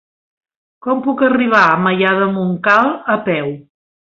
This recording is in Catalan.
Com puc arribar a Maià de Montcal a peu?